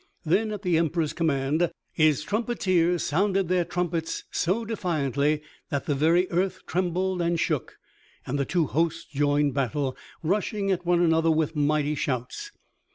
Then, at the Emperor's command, his trumpeters sounded their trumpets so defiantly that the very earth trembled and shook; and the two hosts joined battle, rushing at one another with mighty shouts.